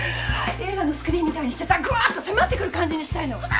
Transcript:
映画のスクリーンみたいにしてさぐわっと迫ってくる感じにしたいの。